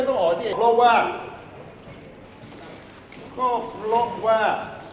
มันต้องออกที่ลบว่าก็ลบว่า